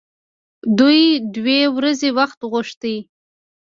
دوی دوې ورځې وخت وغوښت.